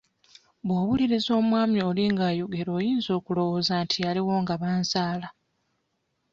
Bw'owuliriza omwami oli nga ayogera oyinza okulowooza nti yaliwo nga banzaala.